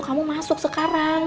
kamu masuk sekarang